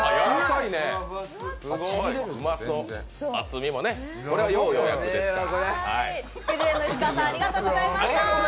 厚みもね、これは要予約ですから。